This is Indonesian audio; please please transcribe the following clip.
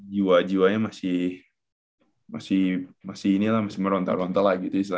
jiwa jiwanya masih masih ini lah masih meronta ronta lah gitu ya